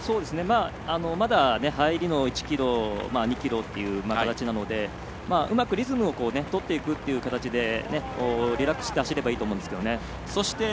まだ、入りの１ｋｍ、２ｋｍっていう形なのでうまくリズムを取っていく形でリラックスして走ればいいと思うんですけどね。